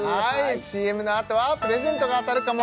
ＣＭのあとはプレゼントが当たるかも？